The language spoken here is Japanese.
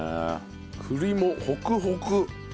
栗もホクホク。